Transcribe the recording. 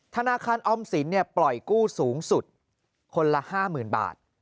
ธนาคารออมสินปล่อยกู้สูงสุดคนละ๕๐๐๐บาท